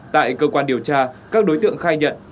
tại cơ quan điều tra các đối tượng khai nhận